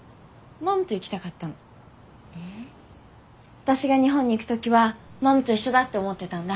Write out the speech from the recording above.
私が日本に行く時はマムと一緒だって思ってたんだ。